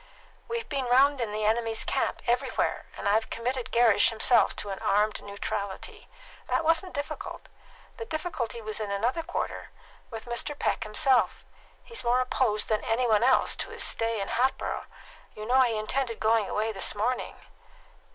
"We've been round in the enemy's camp, everywhere; and I've committed Gerrish himself to an armed neutrality. That wasn't difficult. The difficulty was in another quarter with Mr. Peck himself. He's more opposed than any one else to his stay in Hatboro'. You know he intended going away this morning?"